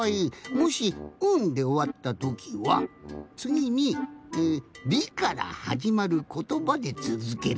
もし「ん」でおわったときはつぎに「り」からはじまることばでつづければいいんじゃない？